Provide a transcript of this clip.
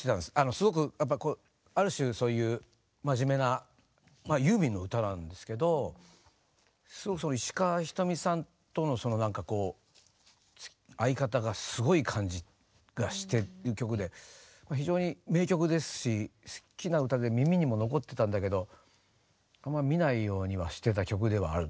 すごくやっぱこうある種そういう真面目なユーミンの歌なんですけど石川ひとみさんとのなんかこう合い方がすごい感じがしてる曲で非常に名曲ですし好きな歌で耳にも残ってたんだけどあんま見ないようにはしてた曲ではある。